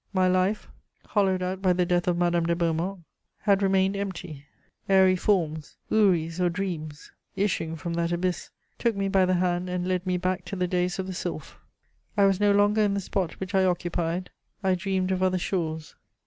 My life, hollowed out by the death of Madame de Beaumont, had remained empty: airy forms, houris or dreams, issuing from that abyss, took me by the hand and led me back to the days of the sylph. I was no longer in the spot which I occupied, I dreamed of other shores.